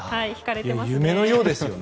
夢のようですよね。